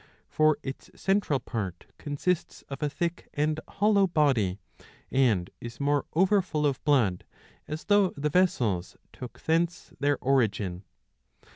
For its centraPi part consists of a thick and hollow body, and is more over full of blood, as though the vessels took thence their origin.